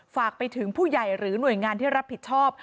ฝากไปถึงผู้ใหญ่หรือหน่วยงานที่รับผิดชอบ